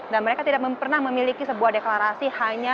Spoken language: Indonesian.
dan mereka tidak pernah memiliki sebuah deklarasi